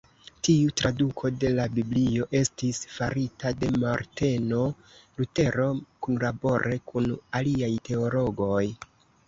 Tiu traduko de la Biblio estis farita de Marteno Lutero kunlabore kun aliaj teologoj.